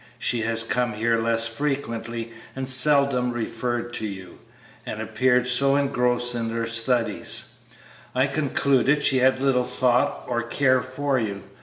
She has come here less frequently and seldom referred to you, and appeared so engrossed in her studies I concluded she had little thought or care for you.